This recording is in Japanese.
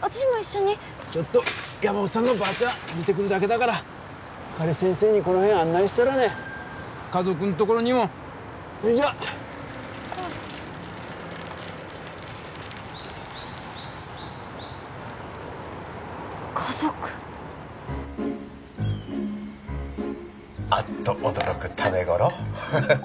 私も一緒にちょっと山本さんのばあちゃん見てくるだけだから彼氏先生にこの辺案内したらね家族んところにもそいじゃ家族あっと驚くタメゴローははは